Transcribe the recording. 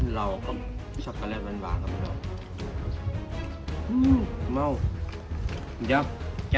เราช็อกโกแลตวันบากนะครับเลยอื้มเงา